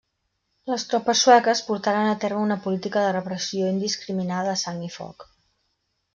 Les tropes sueques portaren a terme una política de repressió indiscriminada a sang i foc.